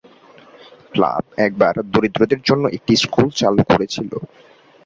Club একবার দরিদ্রদের জন্য একটি স্কুল চালু করেছিলো।